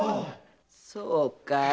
そうかい。